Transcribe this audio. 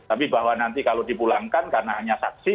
tapi bahwa nanti kalau dipulangkan karena hanya saksi